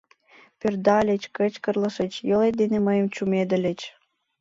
— Пӧрдальыч, кычкырлышыч, йолет дене мыйым чумедыльыч.